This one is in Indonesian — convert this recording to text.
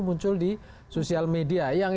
muncul di sosial media yang